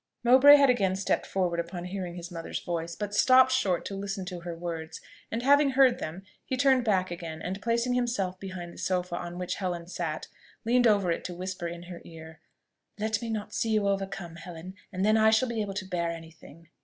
Mowbray had again stepped forward upon hearing his mother's voice, but stopped short to listen to her words; and having heard them, he turned back again, and placing himself behind the sofa on which Helen sat, leaned over it to whisper in her ear "Let me not see you overcome, Helen! and then I shall be able to bear any thing."